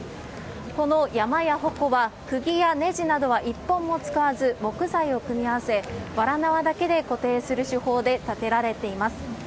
この山や鉾は、くぎやねじなどは１本も使わず、木材を組み合わせ、わら縄だけで固定する手法で建てられています。